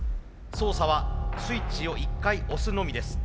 操作はスイッチを１回押すのみです。